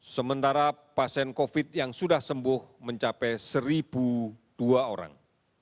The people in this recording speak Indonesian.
sementara pasien covid yang sudah sembuh mencapai satu dua orang